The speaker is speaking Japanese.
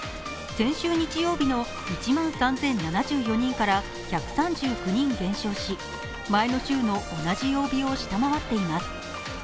先週日曜日の１万３０７４人から１３９人減少し、前の週の同じ曜日を下回っています。